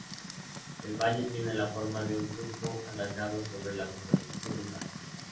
El valle tiene la forma de un surco alargado sobre la superficie lunar.